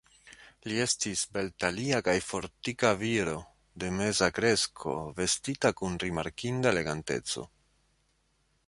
Li estis beltalia kaj fortika viro de meza kresko, vestita kun rimarkinda eleganteco.